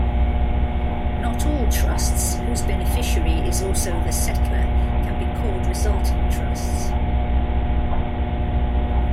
Not all trusts whose beneficiary is also the settlor can be called resulting trusts.